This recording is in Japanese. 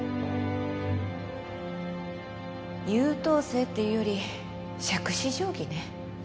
優等生っていうより杓子定規ね。